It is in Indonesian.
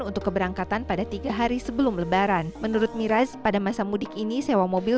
untuk keberangkatan pada tiga hari sebelum lebaran menurut miras pada masa mudik ini sewa mobil